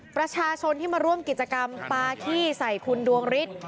ประชาชนที่มาร่วมกิจกรรมปาขี้ใส่คุณดวงฤทธิ์